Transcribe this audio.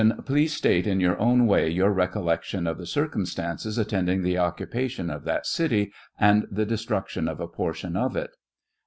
Please state, in your own way, your recollection of the circumstances attending the occupation of that city and the destruction of a portion of it